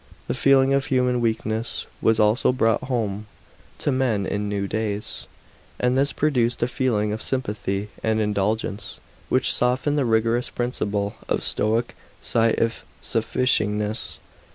The feeling of human weakness was also brought home to men in new ways, and this produced a feeling of sympathy and indulgence, which softened the rigorous piincipie of Stoic Si If sufficingness.